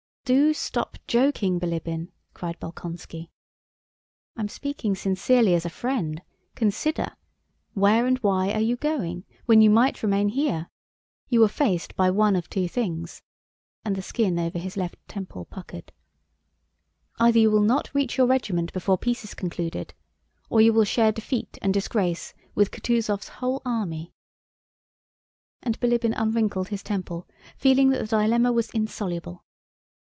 "Do stop joking, Bilíbin," cried Bolkónski. "I am speaking sincerely as a friend! Consider! Where and why are you going, when you might remain here? You are faced by one of two things," and the skin over his left temple puckered, "either you will not reach your regiment before peace is concluded, or you will share defeat and disgrace with Kutúzov's whole army." And Bilíbin unwrinkled his temple, feeling that the dilemma was insoluble.